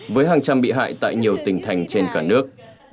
với hàng trăm bị hại tại nhiều tỉnh thành trên cả nước